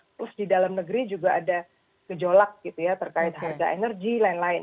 terus di dalam negeri juga ada gejolak gitu ya terkait harga energi lain lain